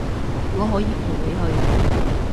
我可以陪你去